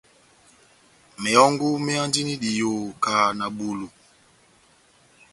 Mehɔngu méhandini diyoho kahá na bulu.